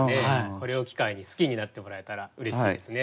これを機会に好きになってもらえたらうれしいですね。